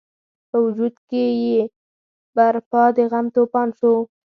په وجود کې یې برپا د غم توپان شو.